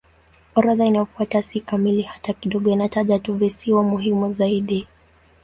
Orodha inayofuata si kamili hata kidogo; inataja tu visiwa muhimu zaidi.